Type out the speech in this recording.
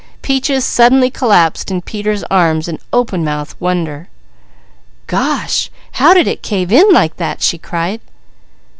Peaches collapsed in Peter's arms in open mouthed wonder. "Gosh! How did it cave in like that?" she cried.